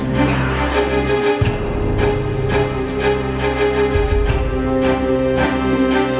masih tahu gak